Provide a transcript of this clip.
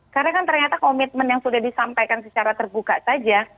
karena kan ternyata komitmen yang sudah disampaikan secara terbuka saja